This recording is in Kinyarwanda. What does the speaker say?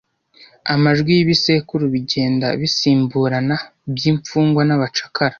Amajwi y'ibisekuru bigenda bisimburana by'imfungwa n'abacakara,